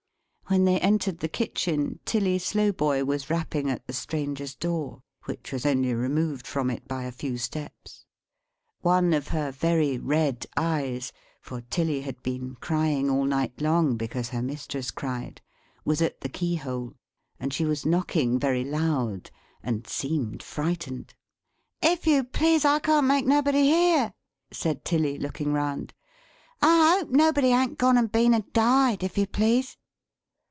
When they entered the kitchen, Tilly Slowboy was rapping at the Stranger's door; which was only removed from it by a few steps. One of her very red eyes (for Tilly had been crying all night long, because her mistress cried) was at the keyhole; and she was knocking very loud; and seemed frightened. "If you please I can't make nobody hear," said Tilly, looking round. "I hope nobody an't gone and been and died if you please!"